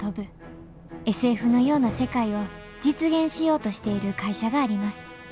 ＳＦのような世界を実現しようとしている会社があります